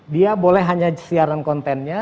dia boleh hanya siaran kontennya